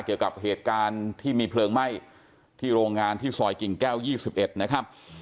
เกี่ยวกับเหตุการณ์ที่มีเพลิงไหม้ที่โรงงานที่ซอยกิ่งแก้ว๒๑นะครับ